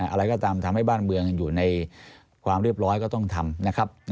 อะไรก็ตามทำให้บ้านเมืองอยู่ในความเรียบร้อยก็ต้องทำนะครับ